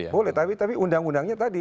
boleh tapi undang undangnya tadi